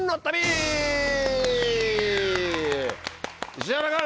石原君！